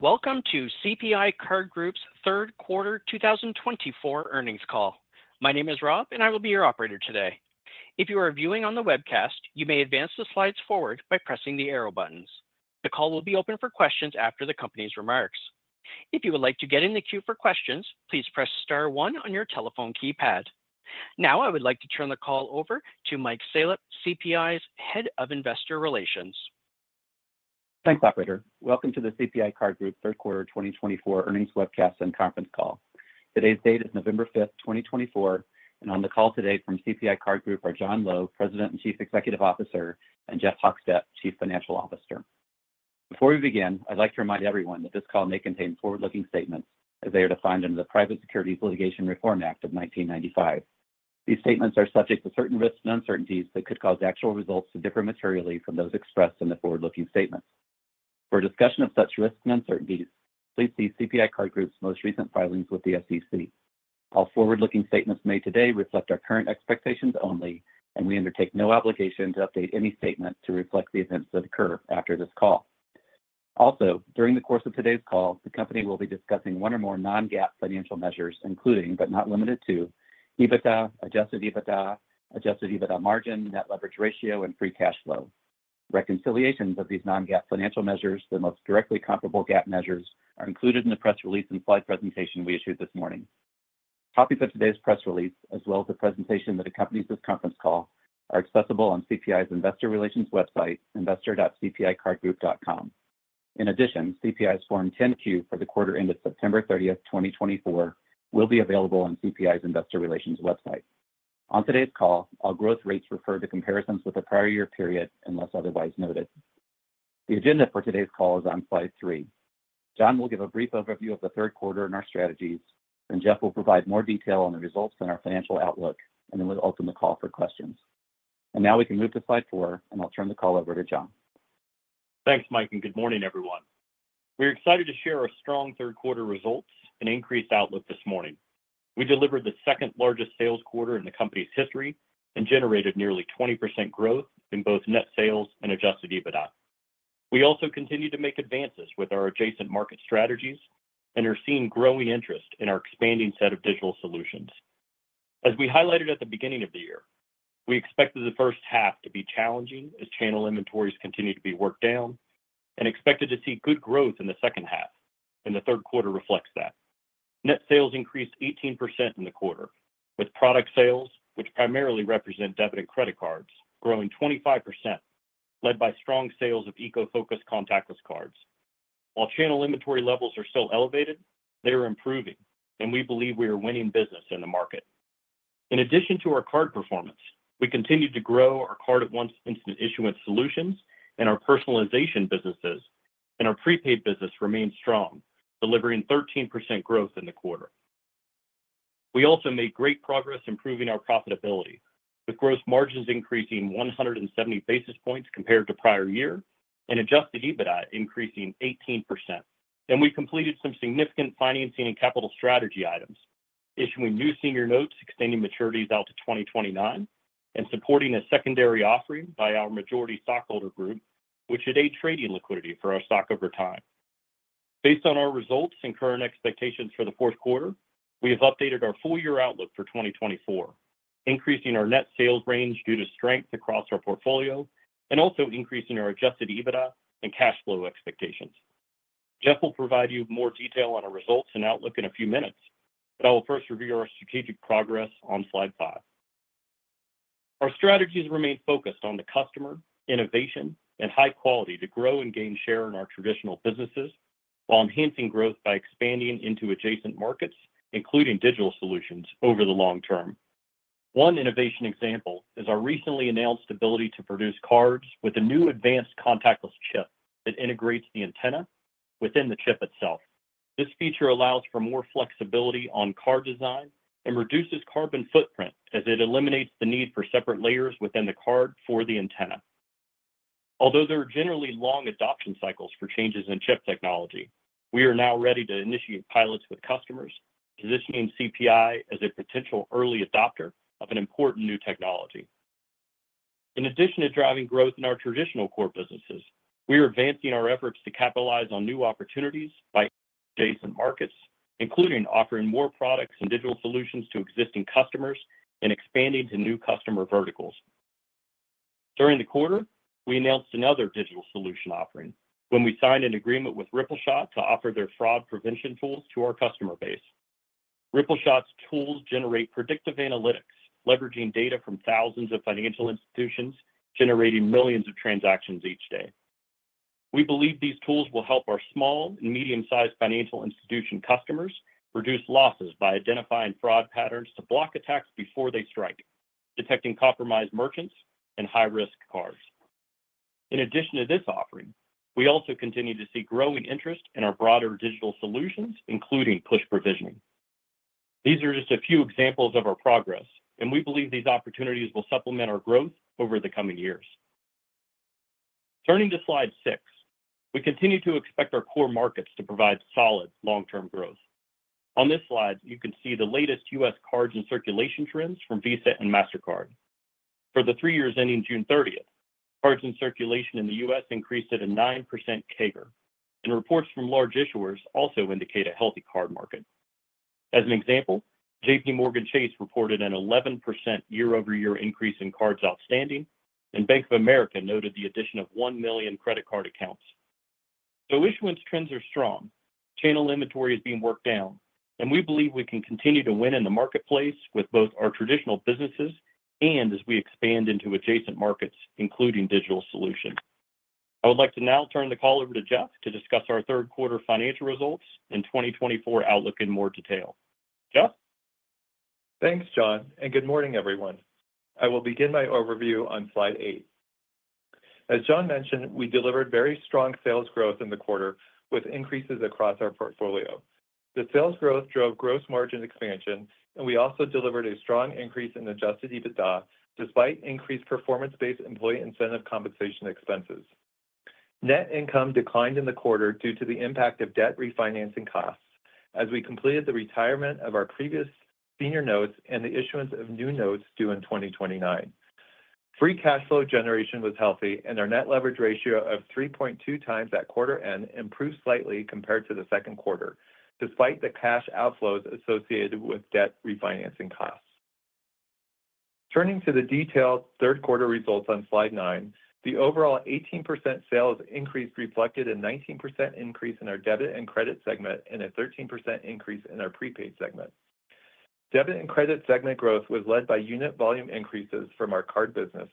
Welcome to CPI Card Group's third quarter 2024 earnings call. My name is Rob, and I will be your operator today. If you are viewing on the webcast, you may advance the slides forward by pressing the arrow buttons. The call will be open for questions after the company's remarks. If you would like to get in the queue for questions, please press star one on your telephone keypad. Now, I would like to turn the call over to Mike Salop, CPI's Head of Investor Relations. Thanks, Operator. Welcome to the CPI Card Group third quarter 2024 earnings webcast and conference call. Today's date is November 5th, 2024, and on the call today from CPI Card Group are John Lowe, President and Chief Executive Officer, and Jeff Hochstadt, Chief Financial Officer. Before we begin, I'd like to remind everyone that this call may contain forward-looking statements as they are defined under the Private Securities Litigation Reform Act of 1995. These statements are subject to certain risks and uncertainties that could cause actual results to differ materially from those expressed in the forward-looking statements. For discussion of such risks and uncertainties, please see CPI Card Group's most recent filings with the SEC. All forward-looking statements made today reflect our current expectations only, and we undertake no obligation to update any statement to reflect the events that occur after this call. Also, during the course of today's call, the company will be discussing one or more non-GAAP financial measures, including but not limited to EBITDA, adjusted EBITDA, adjusted EBITDA margin, net leverage ratio, and free cash flow. Reconciliations of these non-GAAP financial measures, the most directly comparable GAAP measures, are included in the press release and slide presentation we issued this morning. Copies of today's press release, as well as the presentation that accompanies this conference call, are accessible on CPI's Investor Relations website, investor.cpicardgroup.com. In addition, CPI's Form 10-Q for the quarter ended September 30th, 2024, will be available on CPI's Investor Relations website. On today's call, all growth rates refer to comparisons with the prior year period unless otherwise noted. The agenda for today's call is on slide three. John will give a brief overview of the third quarter and our strategies, and Jeff will provide more detail on the results and our financial outlook, and then we'll open the call for questions. And now we can move to slide four, and I'll turn the call over to John. Thanks, Mike, and good morning, everyone. We're excited to share our strong third quarter results and increased outlook this morning. We delivered the second largest sales quarter in the company's history and generated nearly 20% growth in both net sales and adjusted EBITDA. We also continue to make advances with our adjacent market strategies and are seeing growing interest in our expanding set of digital solutions. As we highlighted at the beginning of the year, we expected the first half to be challenging as channel inventories continued to be worked down and expected to see good growth in the second half, and the third quarter reflects that. Net sales increased 18% in the quarter, with product sales, which primarily represent debit and credit cards, growing 25%, led by strong sales of eco-focused contactless cards. While channel inventory levels are still elevated, they are improving, and we believe we are winning business in the market. In addition to our card performance, we continue to grow our Card@Once instant issuance solutions and our personalization businesses, and our prepaid business remains strong, delivering 13% growth in the quarter. We also made great progress improving our profitability, with gross margins increasing 170 basis points compared to prior year and adjusted EBITDA increasing 18%. And we completed some significant financing and capital strategy items, issuing new Senior Notes extending maturities out to 2029 and supporting a secondary offering by our majority stockholder group, which had aided trading liquidity for our stock over time. Based on our results and current expectations for the fourth quarter, we have updated our full year outlook for 2024, increasing our net sales range due to strength across our portfolio and also increasing our adjusted EBITDA and cash flow expectations. Jeff will provide you more detail on our results and outlook in a few minutes, but I will first review our strategic progress on slide five. Our strategies remain focused on the customer, innovation, and high quality to grow and gain share in our traditional businesses while enhancing growth by expanding into adjacent markets, including digital solutions, over the long term. One innovation example is our recently announced ability to produce cards with a new advanced contactless chip that integrates the antenna within the chip itself. This feature allows for more flexibility on card design and reduces carbon footprint as it eliminates the need for separate layers within the card for the antenna. Although there are generally long adoption cycles for changes in chip technology, we are now ready to initiate pilots with customers, positioning CPI as a potential early adopter of an important new technology. In addition to driving growth in our traditional core businesses, we are advancing our efforts to capitalize on new opportunities by adjacent markets, including offering more products and digital solutions to existing customers and expanding to new customer verticals. During the quarter, we announced another digital solution offering when we signed an agreement with Rippleshot to offer their fraud prevention tools to our customer base. Rippleshot's tools generate predictive analytics, leveraging data from thousands of financial institutions, generating millions of transactions each day. We believe these tools will help our small and medium-sized financial institution customers reduce losses by identifying fraud patterns to block attacks before they strike, detecting compromised merchants and high-risk cards. In addition to this offering, we also continue to see growing interest in our broader digital solutions, including push provisioning. These are just a few examples of our progress, and we believe these opportunities will supplement our growth over the coming years. Turning to slide six, we continue to expect our core markets to provide solid long-term growth. On this slide, you can see the latest U.S. cards in circulation trends from Visa and Mastercard. For the three years ending June 30th, cards in circulation in the U.S. increased at a 9% CAGR, and reports from large issuers also indicate a healthy card market. As an example, JPMorgan Chase reported an 11% year-over-year increase in cards outstanding, and Bank of America noted the addition of 1 million credit card accounts. Though issuance trends are strong, channel inventory is being worked down, and we believe we can continue to win in the marketplace with both our traditional businesses and as we expand into adjacent markets, including digital solutions. I would like to now turn the call over to Jeff to discuss our third quarter financial results and 2024 outlook in more detail. Jeff? Thanks, John, and good morning, everyone. I will begin my overview on slide eight. As John mentioned, we delivered very strong sales growth in the quarter with increases across our portfolio. The sales growth drove gross margin expansion, and we also delivered a strong increase in adjusted EBITDA despite increased performance-based employee incentive compensation expenses. Net income declined in the quarter due to the impact of debt refinancing costs as we completed the retirement of our previous Senior Notes and the issuance of new notes due in 2029. Free cash flow generation was healthy, and our net leverage ratio of 3.2x at quarter end improved slightly compared to the second quarter, despite the cash outflows associated with debt refinancing costs. Turning to the detailed third quarter results on slide nine, the overall 18% sales increase reflected a 19% increase in our debit and credit segment and a 13% increase in our prepaid segment. Debit and credit segment growth was led by unit volume increases from our card business,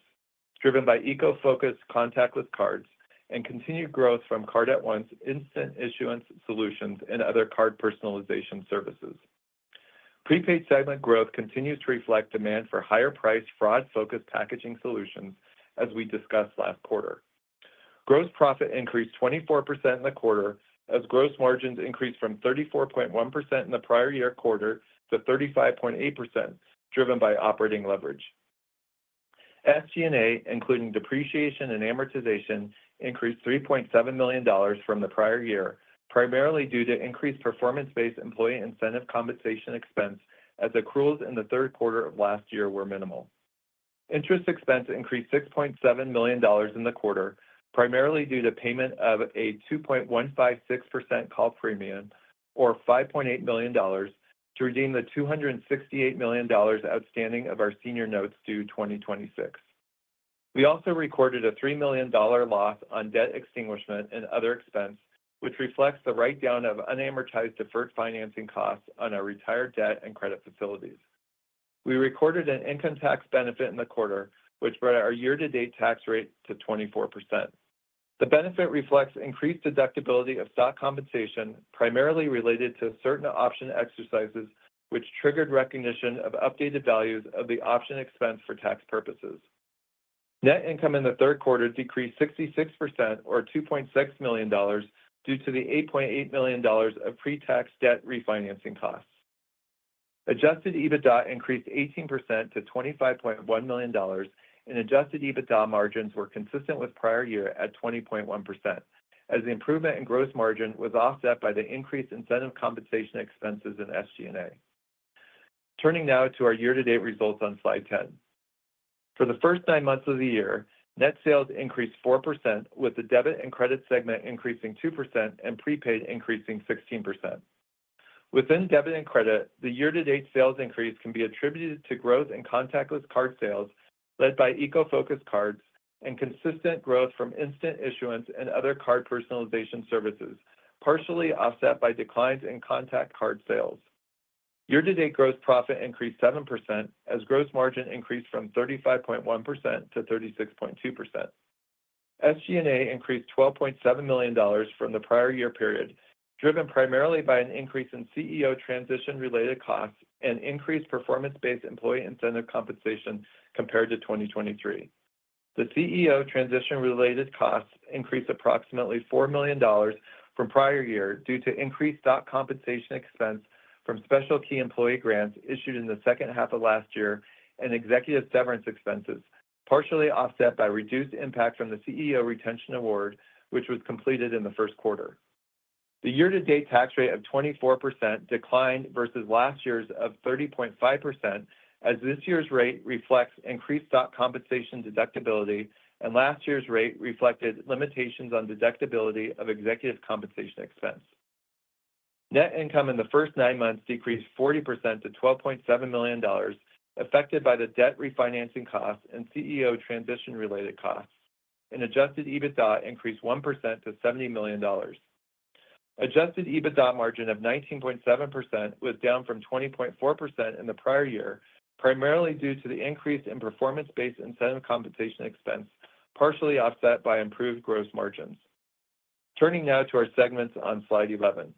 driven by eco-focused contactless cards and continued growth from Card@Once instant issuance solutions and other card personalization services. Prepaid segment growth continues to reflect demand for higher-priced fraud-focused packaging solutions, as we discussed last quarter. Gross profit increased 24% in the quarter as gross margins increased from 34.1% in the prior year quarter to 35.8%, driven by operating leverage. SG&A, including depreciation and amortization, increased $3.7 million from the prior year, primarily due to increased performance-based employee incentive compensation expense as accruals in the third quarter of last year were minimal. Interest expense increased $6.7 million in the quarter, primarily due to payment of a 2.156% call premium or $5.8 million to redeem the $268 million outstanding of our Senior Notes due 2026. We also recorded a $3 million loss on debt extinguishment and other expense, which reflects the write-down of unamortized deferred financing costs on our retired debt and credit facilities. We recorded an income tax benefit in the quarter, which brought our year-to-date tax rate to 24%. The benefit reflects increased deductibility of stock compensation, primarily related to certain option exercises, which triggered recognition of updated values of the option expense for tax purposes. Net income in the third quarter decreased 66% or $2.6 million due to the $8.8 million of pre-tax debt refinancing costs. Adjusted EBITDA increased 18% to $25.1 million, and adjusted EBITDA margins were consistent with prior year at 20.1%, as the improvement in gross margin was offset by the increased incentive compensation expenses in SG&A. Turning now to our year-to-date results on slide 10. For the first nine months of the year, net sales increased 4%, with the debit and credit segment increasing 2% and prepaid increasing 16%. Within debit and credit, the year-to-date sales increase can be attributed to growth in contactless card sales led by eco-focused cards and consistent growth from instant issuance and other card personalization services, partially offset by declines in contact card sales. Year-to-date gross profit increased 7% as gross margin increased from 35.1%-36.2%. SG&A increased $12.7 million from the prior year period, driven primarily by an increase in CEO transition-related costs and increased performance-based employee incentive compensation compared to 2023. The CEO transition-related costs increased approximately $4 million from prior year due to increased stock compensation expense from special key employee grants issued in the second half of last year and executive severance expenses, partially offset by reduced impact from the CEO retention award, which was completed in the first quarter. The year-to-date tax rate of 24% declined versus last year's of 30.5%, as this year's rate reflects increased stock compensation deductibility, and last year's rate reflected limitations on deductibility of executive compensation expense. Net income in the first nine months decreased 40% to $12.7 million, affected by the debt refinancing costs and CEO transition-related costs. Adjusted EBITDA increased 1% to $70 million. Adjusted EBITDA margin of 19.7% was down from 20.4% in the prior year, primarily due to the increase in performance-based incentive compensation expense, partially offset by improved gross margins. Turning now to our segments on slide 11.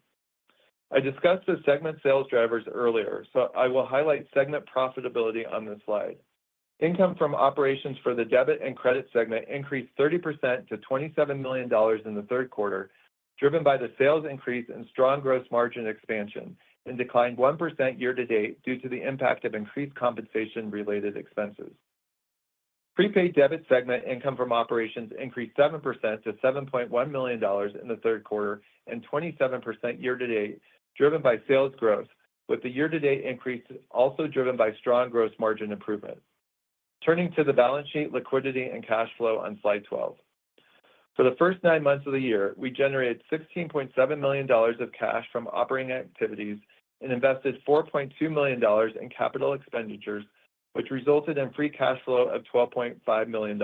I discussed the segment sales drivers earlier, so I will highlight segment profitability on this slide. Income from operations for the debit and credit segment increased 30% to $27 million in the third quarter, driven by the sales increase and strong gross margin expansion, and declined 1% year-to-date due to the impact of increased compensation-related expenses. Prepaid debit segment income from operations increased 7% to $7.1 million in the third quarter and 27% year-to-date, driven by sales growth, with the year-to-date increase also driven by strong gross margin improvement. Turning to the balance sheet, liquidity, and cash flow on slide 12. For the first nine months of the year, we generated $16.7 million of cash from operating activities and invested $4.2 million in capital expenditures, which resulted in free cash flow of $12.5 million.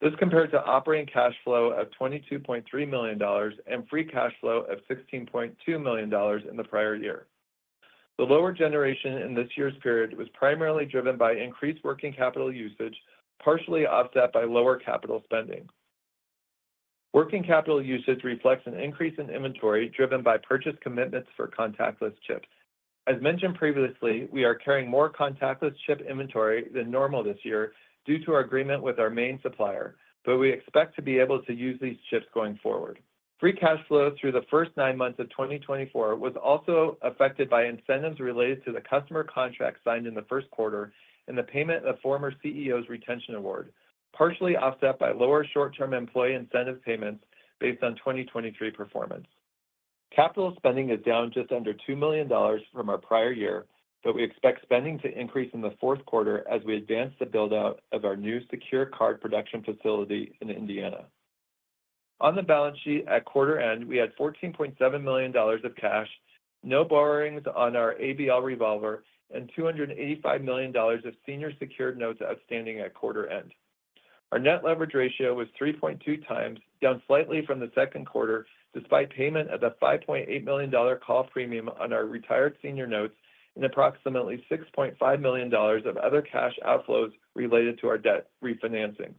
This compared to operating cash flow of $22.3 million and free cash flow of $16.2 million in the prior year. The lower generation in this year's period was primarily driven by increased working capital usage, partially offset by lower capital spending. Working capital usage reflects an increase in inventory driven by purchase commitments for contactless chips. As mentioned previously, we are carrying more contactless chip inventory than normal this year due to our agreement with our main supplier, but we expect to be able to use these chips going forward. Free cash flow through the first nine months of 2024 was also affected by incentives related to the customer contract signed in the first quarter and the payment of former CEO's retention award, partially offset by lower short-term employee incentive payments based on 2023 performance. Capital spending is down just under $2 million from our prior year, but we expect spending to increase in the fourth quarter as we advance the build-out of our new secure card production facility in Indiana. On the balance sheet at quarter end, we had $14.7 million of cash, no borrowings on our ABL revolver, and $285 million of senior secured notes outstanding at quarter end. Our net leverage ratio was 3.2x, down slightly from the second quarter, despite payment of a $5.8 million call premium on our retired Senior Notes and approximately $6.5 million of other cash outflows related to our debt refinancing.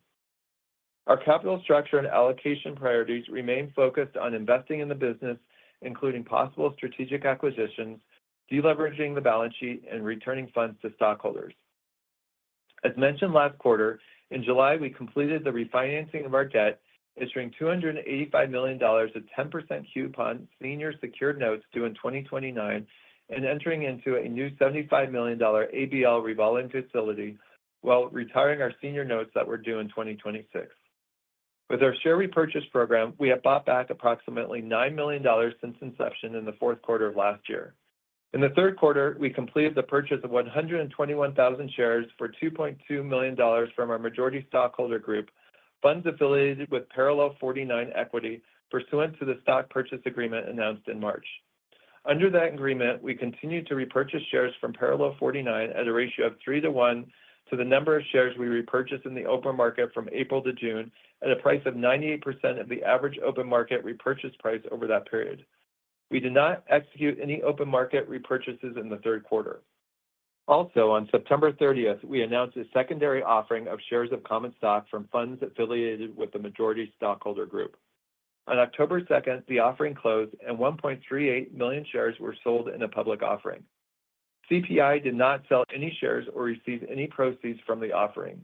Our capital structure and allocation priorities remain focused on investing in the business, including possible strategic acquisitions, deleveraging the balance sheet, and returning funds to stockholders. As mentioned last quarter, in July, we completed the refinancing of our debt, issuing $285 million of 10% coupon senior secured notes due in 2029 and entering into a new $75 million ABL revolving facility while retiring our Senior Notes that were due in 2026. With our share repurchase program, we have bought back approximately $9 million since inception in the fourth quarter of last year. In the third quarter, we completed the purchase of 121,000 shares for $2.2 million from our majority stockholder group, funds affiliated with Parallel49 Equity, pursuant to the stock purchase agreement announced in March. Under that agreement, we continue to repurchase shares from Parallel49 at a ratio of 3 to 1 to the number of shares we repurchased in the open market from April to June at a price of 98% of the average open market repurchase price over that period. We did not execute any open market repurchases in the third quarter. Also, on September 30th, we announced a secondary offering of shares of common stock from funds affiliated with the majority stockholder group. On October 2nd, the offering closed, and 1.38 million shares were sold in a public offering. CPI did not sell any shares or receive any proceeds from the offering.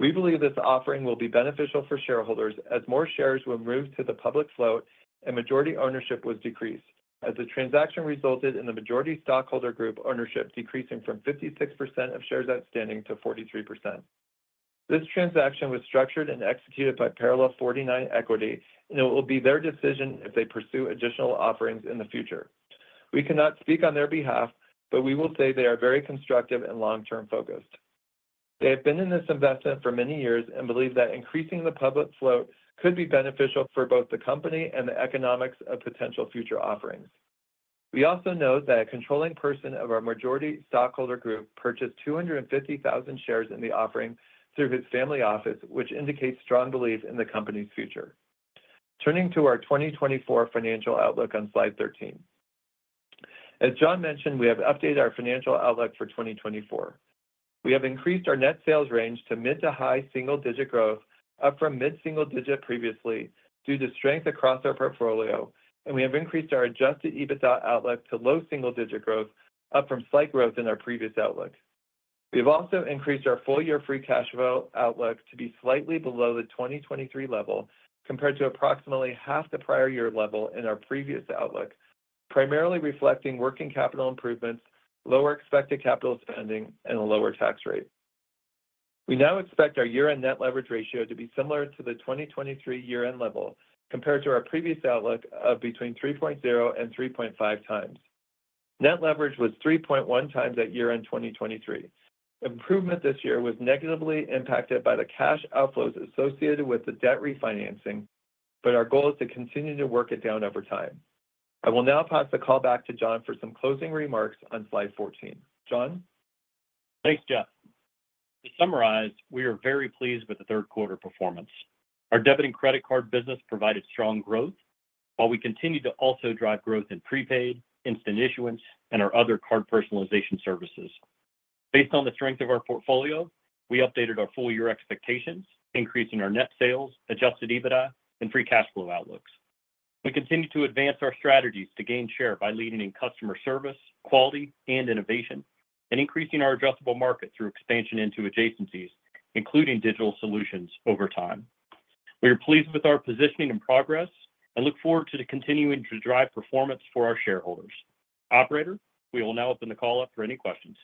We believe this offering will be beneficial for shareholders as more shares were moved to the public float and majority ownership was decreased, as the transaction resulted in the majority stockholder group ownership decreasing from 56% of shares outstanding to 43%. This transaction was structured and executed by Parallel49 Equity, and it will be their decision if they pursue additional offerings in the future. We cannot speak on their behalf, but we will say they are very constructive and long-term focused. They have been in this investment for many years and believe that increasing the public float could be beneficial for both the company and the economics of potential future offerings. We also note that a controlling person of our majority stockholder group purchased 250,000 shares in the offering through his family office, which indicates strong belief in the company's future. Turning to our 2024 financial outlook on slide 13. As John mentioned, we have updated our financial outlook for 2024. We have increased our net sales range to mid to high single-digit growth, up from mid-single digit previously due to strength across our portfolio, and we have increased our adjusted EBITDA outlook to low single-digit growth, up from slight growth in our previous outlook. We have also increased our full year free cash flow outlook to be slightly below the 2023 level compared to approximately half the prior year level in our previous outlook, primarily reflecting working capital improvements, lower expected capital spending, and a lower tax rate. We now expect our year-end net leverage ratio to be similar to the 2023 year-end level compared to our previous outlook of between 3.0x and 3.5x. Net leverage was 3.1x at year-end 2023. Improvement this year was negatively impacted by the cash outflows associated with the debt refinancing, but our goal is to continue to work it down over time. I will now pass the call back to John for some closing remarks on slide 14. John? Thanks, Jeff. To summarize, we are very pleased with the third quarter performance. Our debit and credit card business provided strong growth, while we continue to also drive growth in prepaid, instant issuance, and our other card personalization services. Based on the strength of our portfolio, we updated our full year expectations, increasing our net sales, adjusted EBITDA, and free cash flow outlooks. We continue to advance our strategies to gain share by leading in customer service, quality, and innovation, and increasing our addressable market through expansion into adjacencies, including digital solutions, over time. We are pleased with our positioning and progress and look forward to continuing to drive performance for our shareholders. Operator, we will now open the call up for any questions.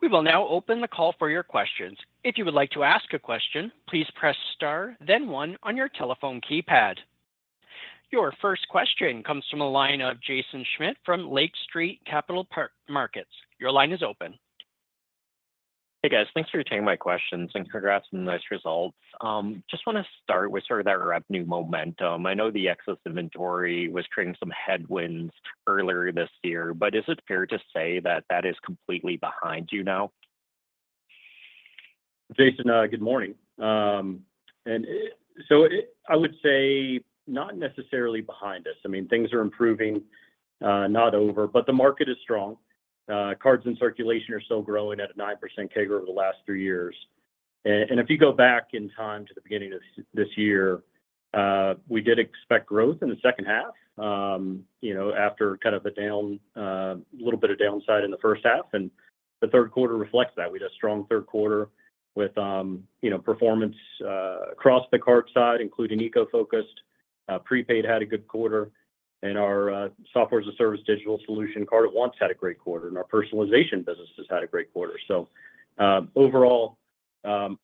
We will now open the call for your questions. If you would like to ask a question, please press star, then one on your telephone keypad. Your first question comes from a line of Jaeson Schmidt from Lake Street Capital Markets. Your line is open. Hey, guys. Thanks for taking my questions and congrats on the nice results. Just want to start with sort of that revenue momentum. I know the excess inventory was creating some headwinds earlier this year, but is it fair to say that that is completely behind you now? Jaeson, good morning. So I would say not necessarily behind us. I mean, things are improving, not over, but the market is strong. Cards in circulation are still growing at a 9% CAGR over the last three years. If you go back in time to the beginning of this year, we did expect growth in the second half after kind of a little bit of downside in the first half, and the third quarter reflects that. We had a strong third quarter with performance across the card side, including eco-focused. Prepaid had a good quarter, and our software as a service digital solution Card@Once had a great quarter, and our personalization business has had a great quarter. Overall,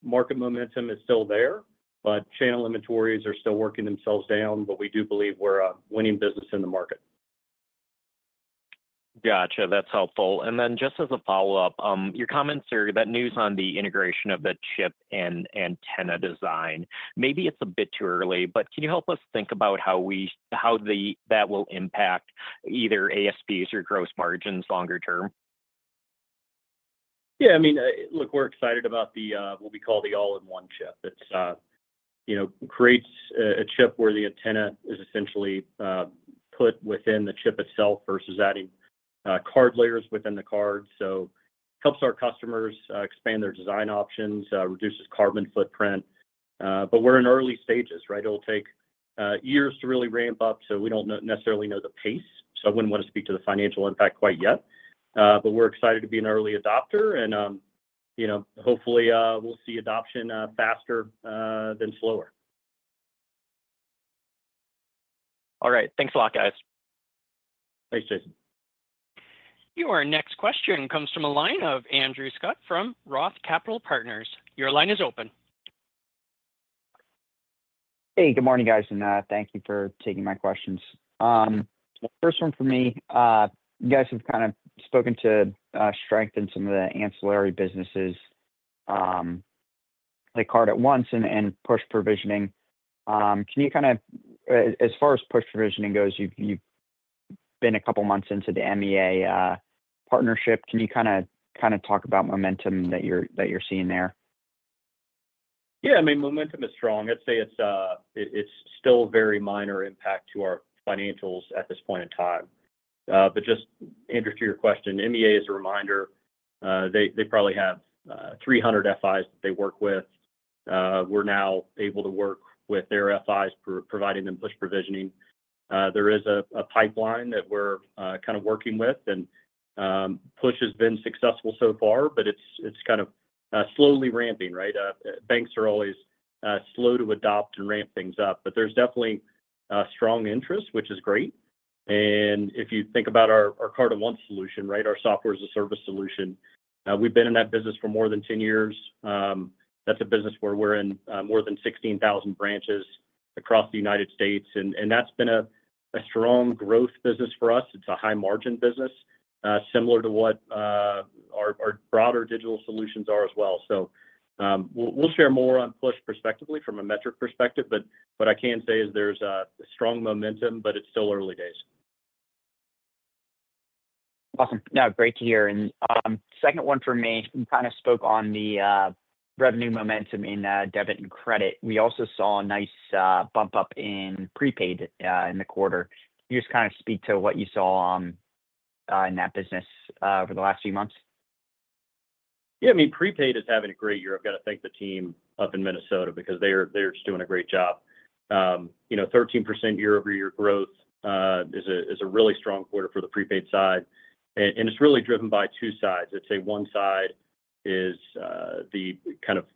market momentum is still there, but channel inventories are still working themselves down, but we do believe we're a winning business in the market. Gotcha. That's helpful. And then just as a follow-up, your comments are that news on the integration of the chip and antenna design, maybe it's a bit too early, but can you help us think about how that will impact either ASPs or gross margins longer term? Yeah. I mean, look, we're excited about what we call the all-in-one chip. It creates a chip where the antenna is essentially put within the chip itself versus adding card layers within the card. So it helps our customers expand their design options, reduces carbon footprint. But we're in early stages, right? It'll take years to really ramp up, so we don't necessarily know the pace. So I wouldn't want to speak to the financial impact quite yet, but we're excited to be an early adopter, and hopefully, we'll see adoption faster than slower. All right. Thanks a lot, guys. Thanks, Jaeson. Your next question comes from a line of Andrew Scutt from ROTH Capital Partners. Your line is open. Hey, good morning, guys, and thank you for taking my questions. First one for me, you guys have kind of spoken to strength in some of the ancillary businesses, like Card@Once and push provisioning. Can you kind of, as far as push provisioning goes, you've been a couple of months into the MEA partnership. Can you kind of talk about momentum that you're seeing there? Yeah. I mean, momentum is strong. I'd say it's still very minor impact to our financials at this point in time. But just, Andrew, to your question, MEA is a reminder. They probably have 300 FIs that they work with. We're now able to work with their FIs, providing them push provisioning. There is a pipeline that we're kind of working with, and push has been successful so far, but it's kind of slowly ramping, right? Banks are always slow to adopt and ramp things up, but there's definitely strong interest, which is great. And if you think about our Card@Once solution, right, our software as a service solution, we've been in that business for more than 10 years. That's a business where we're in more than 16,000 branches across the United States, and that's been a strong growth business for us. It's a high-margin business, similar to what our broader digital solutions are as well. So we'll share more on push prospectively from a metric perspective, but what I can say is there's a strong momentum, but it's still early days. Awesome. No, great to hear. And second one for me, you kind of spoke on the revenue momentum in debit and credit. We also saw a nice bump up in prepaid in the quarter. Can you just kind of speak to what you saw in that business over the last few months? Yeah. I mean, prepaid is having a great year. I've got to thank the team up in Minnesota because they're just doing a great job. 13% year-over-year growth is a really strong quarter for the prepaid side. And it's really driven by two sides. I'd say one side is the kind of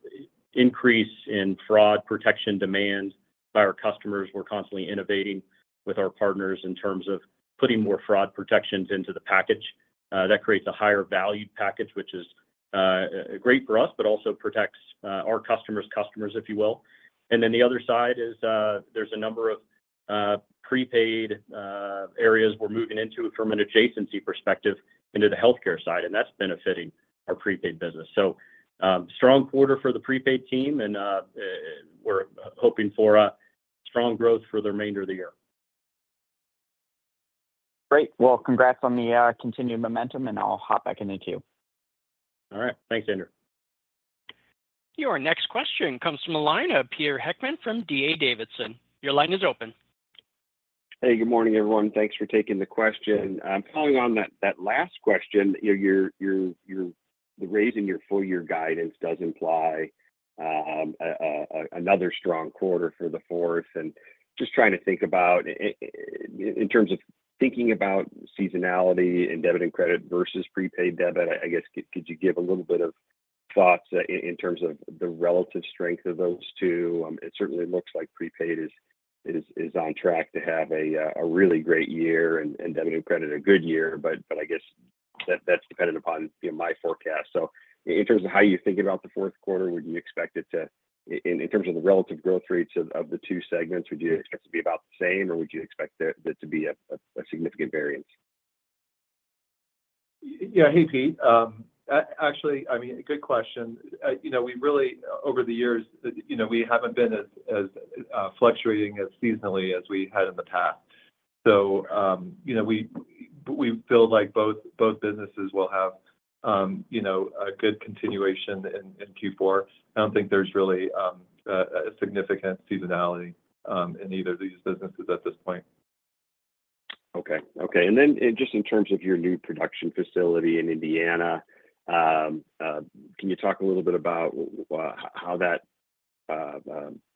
increase in fraud protection demand by our customers. We're constantly innovating with our partners in terms of putting more fraud protections into the package. That creates a higher value package, which is great for us, but also protects our customers' customers, if you will. And then the other side is there's a number of prepaid areas we're moving into from an adjacency perspective into the healthcare side, and that's benefiting our prepaid business. So strong quarter for the prepaid team, and we're hoping for strong growth for the remainder of the year. Great. Well, congrats on the continued momentum, and I'll hop back in to you. All right. Thanks, Andrew. Your next question comes from a line of Peter Heckmann from D.A. Davidson. Your line is open. Hey, good morning, everyone. Thanks for taking the question. I'm following on that last question. The raise in your full year guidance does imply another strong quarter for the fourth, and just trying to think about, in terms of thinking about seasonality and debit and credit versus prepaid debit, I guess, could you give a little bit of thoughts in terms of the relative strength of those two? It certainly looks like prepaid is on track to have a really great year and debit and credit a good year, but I guess that's dependent upon my forecast, so in terms of how you're thinking about the fourth quarter, would you expect it to, in terms of the relative growth rates of the two segments, would you expect to be about the same, or would you expect there to be a significant variance? Yeah. Hey, Pete. Actually, I mean, good question. We really, over the years, we haven't been as fluctuating seasonally as we had in the past. So we feel like both businesses will have a good continuation in Q4. I don't think there's really a significant seasonality in either of these businesses at this point. Okay. Okay. And then just in terms of your new production facility in Indiana, can you talk a little bit about how that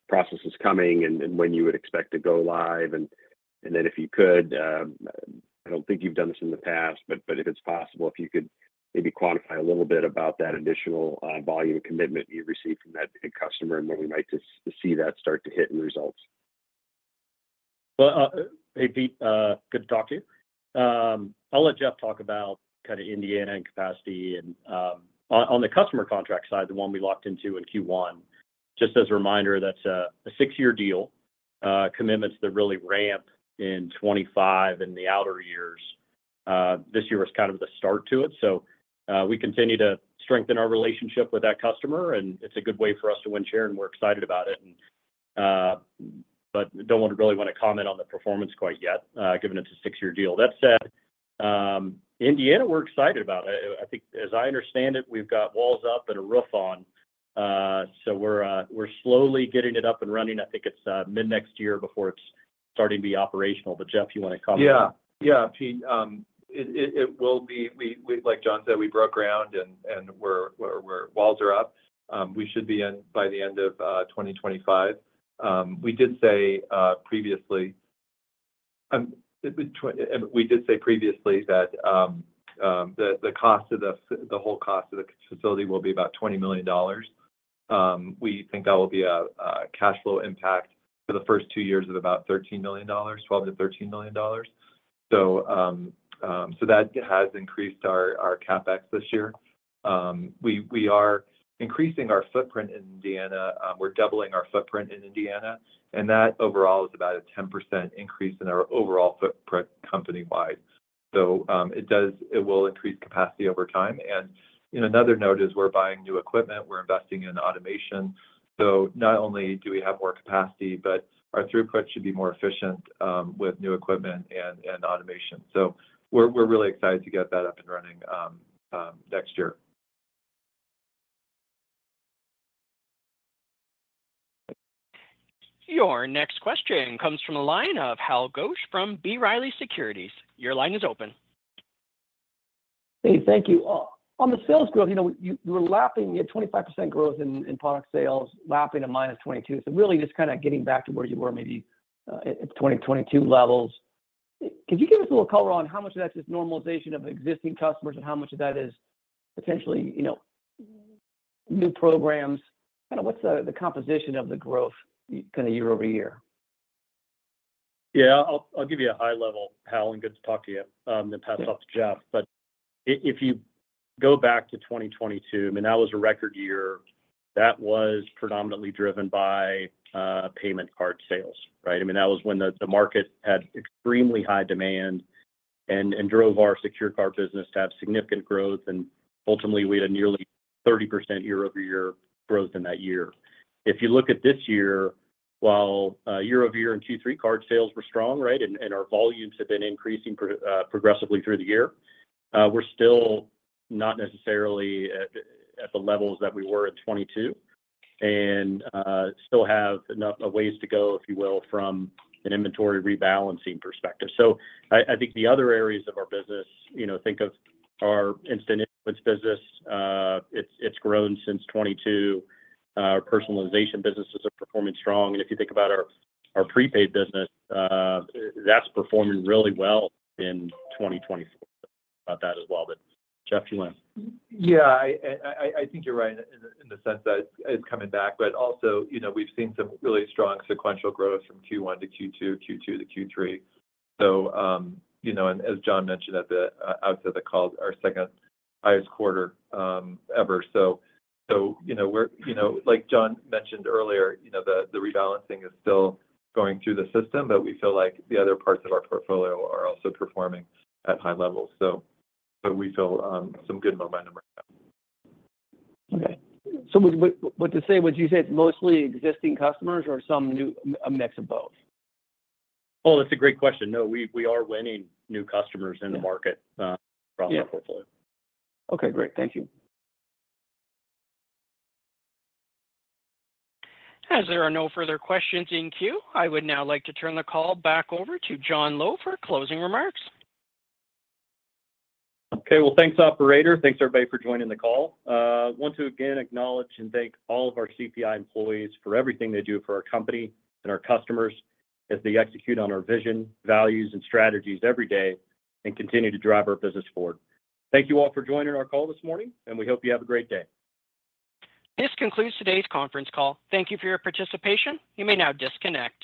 process is coming and when you would expect to go live? And then if you could, I don't think you've done this in the past, but if it's possible, if you could maybe quantify a little bit about that additional volume commitment you received from that customer and when we might just see that start to hit in results. Well, hey, Pete. Good to talk to you. I'll let Jeff talk about kind of Indiana and capacity. And on the customer contract side, the one we locked into in Q1, just as a reminder, that's a six-year deal, commitments that really ramp in 2025 and the outer years. This year was kind of the start to it. So we continue to strengthen our relationship with that customer, and it's a good way for us to win share, and we're excited about it, but don't really want to comment on the performance quite yet given it's a six-year deal. That said, Indiana, we're excited about it. I think, as I understand it, we've got walls up and a roof on. So we're slowly getting it up and running. I think it's mid-next year before it's starting to be operational. But Jeff, you want to comment? Yeah. Yeah, Pete. It will be, like John said, we broke ground and walls are up. We should be in by the end of 2025. We did say previously, we did say previously that the cost of the whole cost of the facility will be about $20 million. We think that will be a cash flow impact for the first two years of about $13 million, $12 million-$13 million. So that has increased our CapEx this year. We are increasing our footprint in Indiana. We're doubling our footprint in Indiana, and that overall is about a 10% increase in our overall footprint company-wide. So it will increase capacity over time, and another note is we're buying new equipment. We're investing in automation. So not only do we have more capacity, but our throughput should be more efficient with new equipment and automation. We're really excited to get that up and running next year. Your next question comes from a line of Hal Goetsch from B. Riley Securities. Your line is open. Hey, thank you. On the sales growth, you were lapping at 25% growth in product sales, lapping a -22%. So really just kind of getting back to where you were maybe at 2022 levels. Could you give us a little color on how much of that's just normalization of existing customers and how much of that is potentially new programs? Kind of what's the composition of the growth kind of year-over-year? Yeah. I'll give you a high-level plan. Good to talk to you and then pass it off to Jeff. But if you go back to 2022, I mean, that was a record year. That was predominantly driven by payment card sales, right? I mean, that was when the market had extremely high demand and drove our secure card business to have significant growth. And ultimately, we had a nearly 30% year-over-year growth in that year. If you look at this year, while year-over-year and Q3 card sales were strong, right, and our volumes have been increasing progressively through the year, we're still not necessarily at the levels that we were in 2022 and still have a ways to go, if you will, from an inventory rebalancing perspective. So I think the other areas of our business, think of our instant issuance business, it's grown since 2022. Our personalization businesses are performing strong, and if you think about our prepaid business, that's performing really well in 2024. About that as well. But Jeff, you want to? Yeah. I think you're right in the sense that it's coming back, but also we've seen some really strong sequential growth from Q1 to Q2, Q2 to Q3. So as John mentioned at the outset of the call, our second highest quarter ever. So like John mentioned earlier, the rebalancing is still going through the system, but we feel like the other parts of our portfolio are also performing at high levels. So we feel some good momentum right now. Okay. So, what would you say, is it mostly existing customers or some new, a mix of both? Oh, that's a great question. No, we are winning new customers in the market from our portfolio. Okay. Great. Thank you. As there are no further questions in queue, I would now like to turn the call back over to John Lowe for closing remarks. Okay. Well, thanks, Operator. Thanks, everybody, for joining the call. I want to again acknowledge and thank all of our CPI employees for everything they do for our company and our customers as they execute on our vision, values, and strategies every day and continue to drive our business forward. Thank you all for joining our call this morning, and we hope you have a great day. This concludes today's conference call. Thank you for your participation. You may now disconnect.